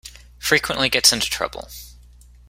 Frequently gets into trouble.